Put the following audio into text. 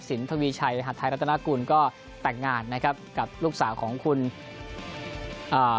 ทวีชัยหัดไทยรัฐนากุลก็แต่งงานนะครับกับลูกสาวของคุณอ่า